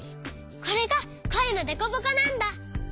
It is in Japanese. これがこえのデコボコなんだ。